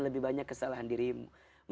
lebih banyak kesalahan dirimu